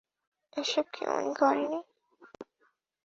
এসব কি উনি করেনি?